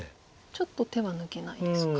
ちょっと手は抜けないですか。